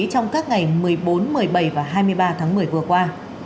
trong các ngày một mươi bốn một mươi bảy và hai mươi ba tháng một mươi vừa qua